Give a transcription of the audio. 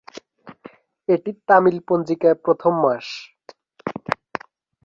এটি তামিল পঞ্জিকায় প্রথম মাস।